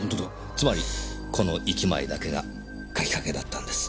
つまりこの１枚だけが描きかけだったんです。